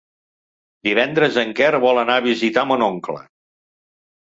Divendres en Quer vol anar a visitar mon oncle.